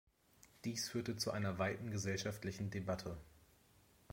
Dies führte zu einer weiten gesellschaftlichen Debatte.